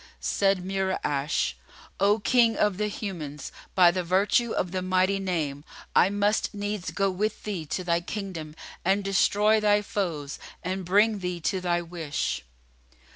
Said Mura'ash, "O King of humans, by the virtue of the Mighty Name, I must needs go with thee to thy kingdom and destroy thy foes and bring thee to thy wish."